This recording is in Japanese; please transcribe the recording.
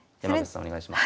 お願いします。